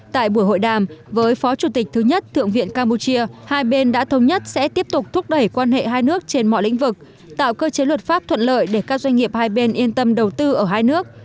tại buổi hội đàm với phó chủ tịch thứ nhất thượng viện campuchia hai bên đã thống nhất sẽ tiếp tục thúc đẩy quan hệ hai nước trên mọi lĩnh vực tạo cơ chế luật pháp thuận lợi để các doanh nghiệp hai bên yên tâm đầu tư ở hai nước